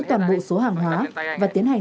toàn bộ số hàng hóa và tiến hành